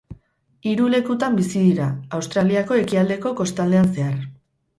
Hiru lekutan bizi dira, Australiako ekialdeko kostaldean zehar.